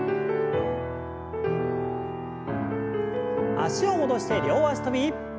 脚を戻して両脚跳び。